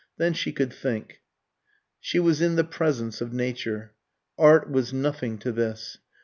Then she could think. She was in the presence of Nature. Art was nothing to this.